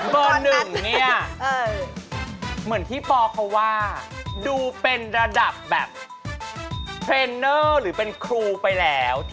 เบอร์หนึ่งเนี่ยเหมือนที่ปอเขาว่าดูเป็นระดับแบบเทรนเนอร์หรือเป็นครูไปแล้ว